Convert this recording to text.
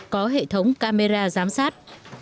có hệ thống camera giám sát